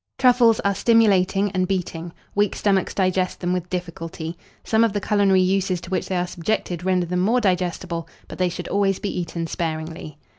Truffles are stimulating and beating. Weak stomachs digest them with difficulty. Some of the culinary uses to which they are subjected render them more digestible; but they should always be eaten sparingly.